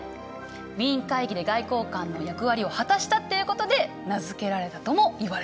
ウィーン会議で外交官の役割を果たしたっていうことで名付けられたともいわれてる。